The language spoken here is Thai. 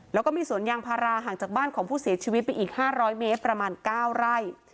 แล้วก็มีสวนยางพาราห่างจากบ้านของผู้เสียชีวิตไปอีก๕๐๐เมตรประมาณ๙ไร่